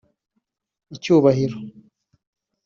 icyubahiro